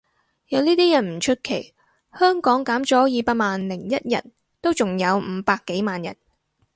有呢啲人唔出奇，香港減咗二百萬零一人都仲有五百幾萬人